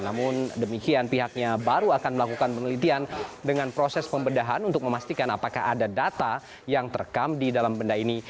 namun demikian pihaknya baru akan melakukan penelitian dengan proses pembedahan untuk memastikan apakah ada data yang terekam di dalam benda ini